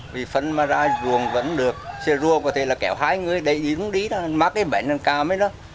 vì phân mà ra ruồng vẫn được xe ruồng có thể là kéo hai người để đi cũng đi đó mắc cái bệnh là cao mấy đó